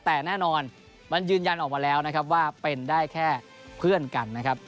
แต่แน่นอนมันยืนยันออกมาแล้วนะครับว่าเป็นได้แค่เพื่อนกันนะครับ